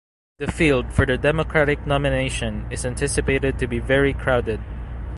The field for the Democratic nomination is anticipated to be very crowded.